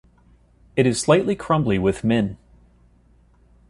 It is slightly crumbly with min.